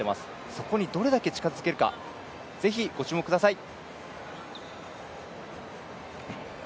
そこにどれだけ近づけるか是非、ご注目ください。